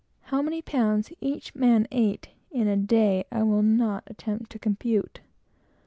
How many pounds each man ate in a day, I will not attempt to compute.